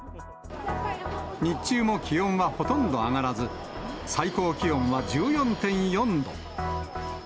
日中も気温はほとんど上がらず、最高気温は１４．４度。